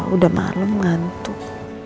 udah malem ngantuk